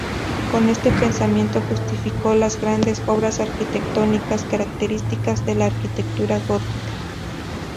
Con este pensamiento justificó las grandes obras arquitectónicas características de la arquitectura gótica.